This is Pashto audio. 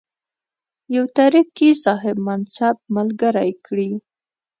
یو ترکي صاحب منصب ملګری کړي.